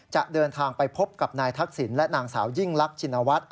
จะเดินทางไปพบกับนายทักษิณและนางสาวยิ่งลักชินวัฒน์